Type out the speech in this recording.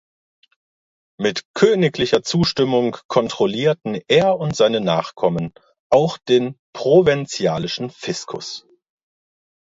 Mit königlicher Zustimmung kontrollierten er und seine Nachkommen auch den provenzalischen "Fiscus".